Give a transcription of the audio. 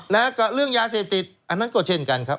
กับเรื่องยาเสพติดอันนั้นก็เช่นกันครับ